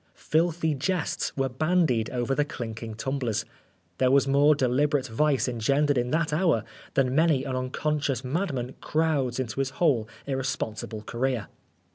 Filthy jests were bandied over the clinking tumblers. There was more de liberate vice engendered in that hour than many an unconscious madman crowds into his whole, irresponsible career.